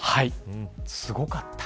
すごかった。